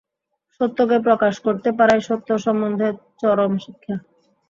সত্যকে প্রকাশ করিতে পারাই সত্য সম্বন্ধে চরম শিক্ষা।